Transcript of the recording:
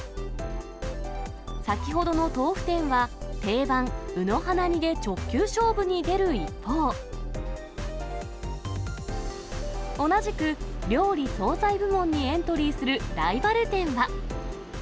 先ほどの豆腐店は、定番、うの花煮で直球勝負に出る一方、同じく料理・総菜部門にエントリーするライバル店は。